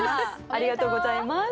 ありがとうございます。